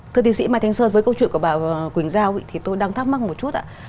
thưa tiến sĩ mai thanh sơn với câu chuyện của bà quỳnh giao thì tôi đang thắc mắc một chút ạ